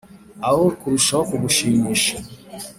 aho kurushaho kugushimisha